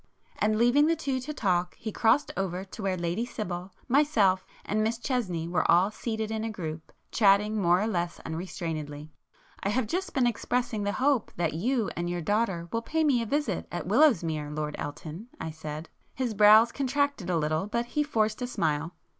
And leaving the two to talk, he crossed over to where Lady Sibyl, myself and Miss Chesney were all seated in a group, chatting more or less unrestrainedly. "I have just been expressing the hope that you and your daughter will pay me a visit at Willowsmere, Lord Elton," I said. [p 159]His brows contracted a little, but he forced a smile.